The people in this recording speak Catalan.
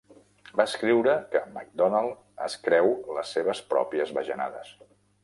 Va escriure que MacDonald es creu les seves pròpies bajanades.